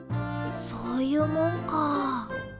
そういうもんかあ。